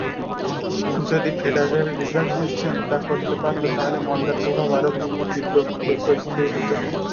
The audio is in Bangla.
যদি ফেডারেল রিজার্ভ সিস্টেম তা করতে পারত তাহলে মন্দার প্রভাব আরো কম তীব্র এবং স্বল্পস্থায়ী হত।